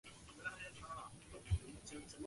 县治恩波里亚并不是县的一部分。